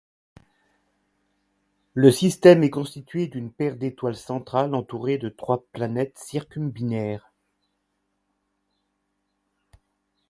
Le système est constitué d'une paire d'étoiles centrale entourée de trois planètes circumbinaires.